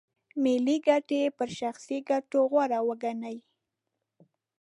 ملي ګټې پر شخصي ګټو غوره وګڼي.